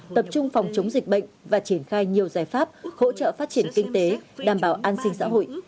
tập trung phòng chống dịch bệnh và triển khai nhiều giải pháp hỗ trợ phát triển kinh tế đảm bảo an sinh xã hội